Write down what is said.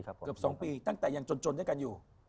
เกือบ๒ปีตั้งแต่ยังจนด้วยกันอยู่